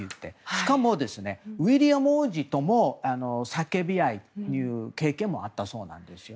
しかもウィリアム王子とも叫び合うという経験もあったそうです。